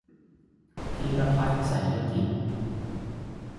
พีรพัฒน์ ไสยกิจ